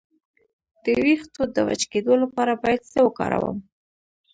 د ویښتو د وچ کیدو لپاره باید څه وکاروم؟